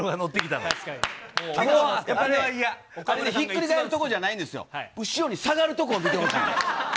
もう、ひっくり返るところじゃないんですよ、後ろに下がるところを見てほしい。